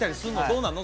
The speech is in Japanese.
どうなの？